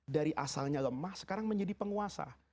dari asalnya lemah sekarang menjadi penguasa